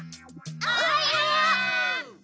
おはよう！